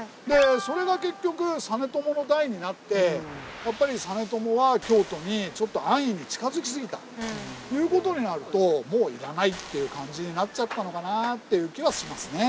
それが結局実朝の代になってやっぱり実朝は京都にちょっと安易に近づきすぎたという事になるともういらないっていう感じになっちゃったのかなっていう気はしますね。